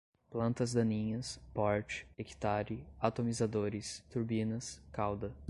plantas daninhas, porte, hectare, atomizadores, turbinas, calda